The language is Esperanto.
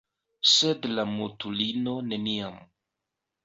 Sed la mutulino neniam